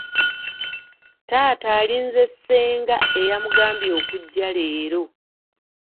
Taata alinze ssenga eyamugambye okujja leero.